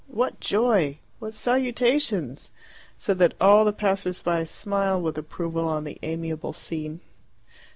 What joy! what salutations! so that all the passersby smiled with approval on the amiable scene.